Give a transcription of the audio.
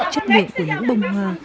chất lượng của những bông hoa